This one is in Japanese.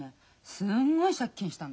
すごい借金したの。